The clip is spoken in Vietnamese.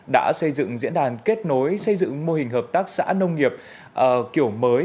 đã xây dựng diễn đàn kết nối xây dựng mô hình hợp tác xã nông nghiệp kiểu mới